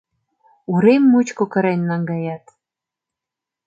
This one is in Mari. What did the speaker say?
Урем мучко кырен наҥгаят.